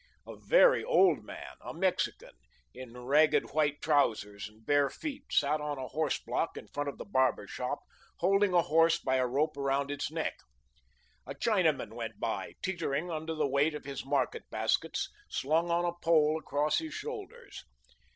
A very old man, a Mexican, in ragged white trousers and bare feet, sat on a horse block in front of the barber shop, holding a horse by a rope around its neck. A Chinaman went by, teetering under the weight of his market baskets slung on a pole across his shoulders.